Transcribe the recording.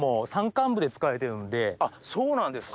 あっそうなんですか。